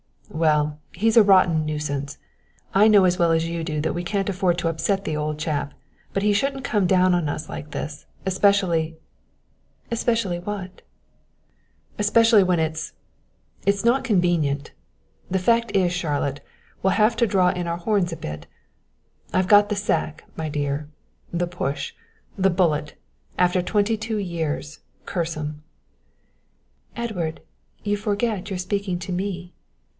"Well, he's a rotten nuisance. I know as well as you do that we can't afford to upset the old chap, but he shouldn't come down on us like this, especially " "Especially what ?"" especially when it's it's not convenient. The fact is, Charlotte, we'll have to draw in our horns a bit. I've got the sack, my dear, the push the bullet after twenty two years curse 'em." "Edward, you forget you're speaking to me."